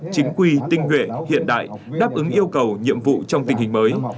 chính quy tinh nguyện hiện đại đáp ứng yêu cầu nhiệm vụ trong tình hình mới